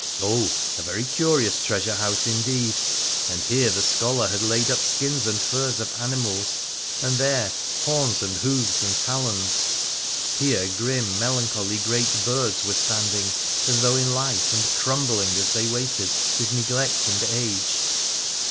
Oh ! a very curious treasure house indeed ! And here the scholar had laid up skins and furs of animals, and there horns and hoofs and talons. Here, grim, melancholy, great birds were standing as though in life, and crumbling, as they waited, with neglect and age.